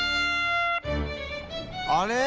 あれ？